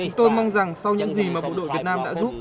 chúng tôi mong rằng sau những gì mà bộ đội việt nam đã giúp